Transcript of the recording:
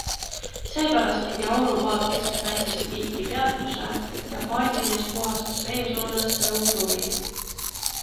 Seepärast tegi aurupaat keset Väikest viiki peatuse ja paadimees puhastas vees olles sõukruvi.